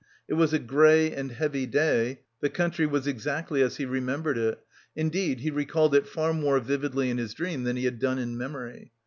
It was a grey and heavy day, the country was exactly as he remembered it; indeed he recalled it far more vividly in his dream than he had done in memory.